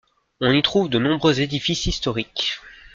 On y trouve de nombreux édifices historiques.